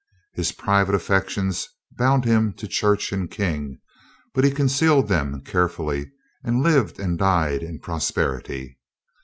His private affections bound him to church and King, but he concealed them carefully and lived and died in prosperity.